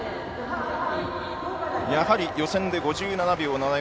やはり予選で５７秒７４